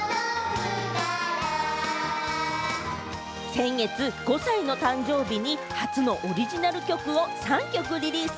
先月５歳の誕生日に初のオリジナル曲を３曲リリース。